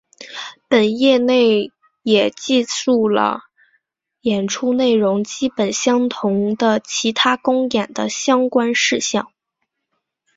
本页内也记述了演出内容基本相同的其他公演的相关事项。